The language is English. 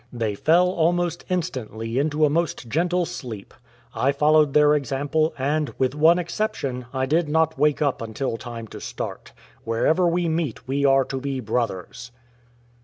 They fell almost instantly into a most gentle sleep. I followed their example and, with one exception, I did not wake up until time to start. Wher ever we meet we are to be brothers."